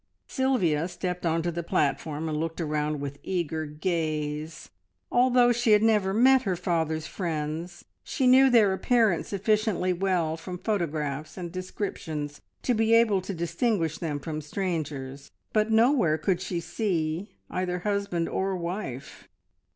Sylvia stepped on to the platform and looked around with eager gaze. Although she had never met her father's friends, she knew their appearance sufficiently well from photographs and descriptions to be able to distinguish them from strangers, but nowhere could she see either husband or wife.